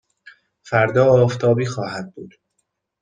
فردا آفتابی خواهد بود.